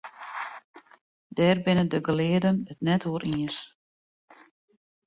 Dêr binne de gelearden it net oer iens.